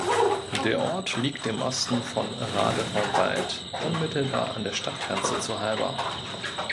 Der Ort liegt im Osten von Radevormwald, unmittelbar an der Stadtgrenze zu Halver.